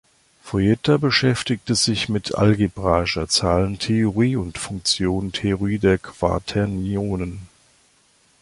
Fueter beschäftigte sich mit algebraischer Zahlentheorie und Funktionentheorie der Quaternionen.